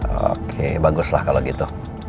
oke baguslah kalau gitu